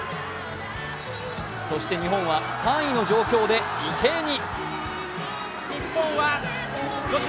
そして日本は３位の状況で池江に。